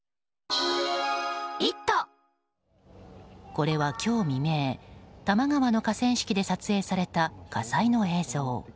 これは今日未明多摩川の河川敷で撮影された火災の映像。